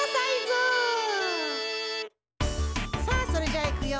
さあそれじゃあいくよ！